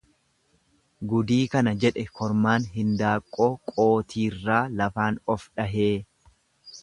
Gudii kana jedhe kormaan hindaanqoo qooxirraa lafaan of dhahee.